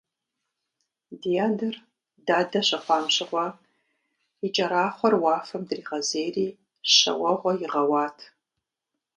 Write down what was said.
Ди адэр дадэ щыхъуам щыгъуэ, и кӏэрахъуэр уафэм дригъэзейри щэ уэгъуэ игъэуат.